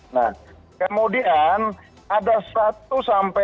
nah kemudian ada satu sampai